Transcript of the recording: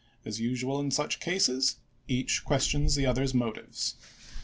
As usual in such cases, each questions the other's motives.